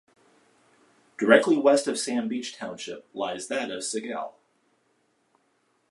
Directly west of Sand Beach township lies that of Sigel.